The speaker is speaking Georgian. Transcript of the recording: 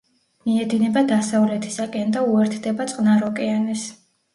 მიედინება დასავლეთისაკენ და უერთდება წყნარ ოკეანეს.